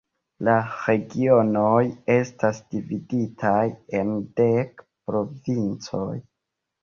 La Regionoj estas dividitaj en dek provincoj.